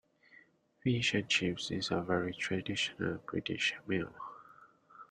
Fish and chips is a very traditional British meal